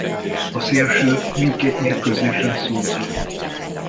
A szélső mindkét mérkőzésen szóhoz jutott.